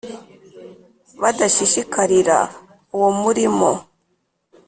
badashishika rira uwo muri mo